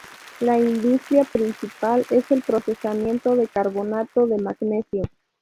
La industria principal es el procesamiento de carbonato de magnesio.